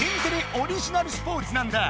オリジナルスポーツなんだ！